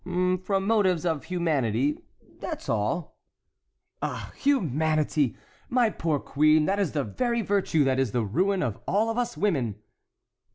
"From motives of humanity—that's all." "Ah, humanity! my poor queen, that is the very virtue that is the ruin of all of us women."